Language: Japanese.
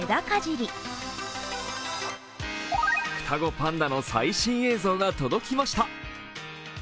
双子パンダの最新映像が届きました。